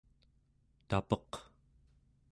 tapeq